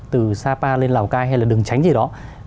từ sapa lên lào cai hay là đường tránh gì đó